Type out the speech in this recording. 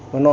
mà nói là